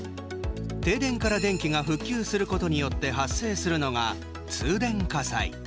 停電から電気が復旧することによって発生するのが通電火災。